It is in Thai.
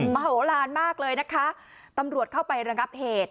โมโหลานมากเลยนะคะตำรวจเข้าไประงับเหตุ